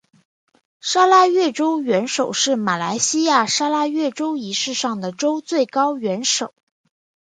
砂拉越州元首是马来西亚砂拉越州仪式上的州最高元首。